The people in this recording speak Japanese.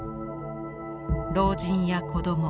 老人や子ども